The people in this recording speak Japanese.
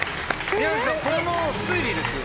宮崎さんこれも推理ですよね？